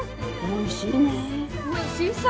おいしいさ。